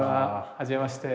はじめまして。